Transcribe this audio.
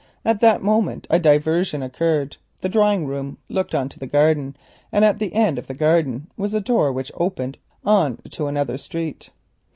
At that moment a diversion occurred. The drawing room looked on to the garden, and at the end of the garden was a door which opened into another street.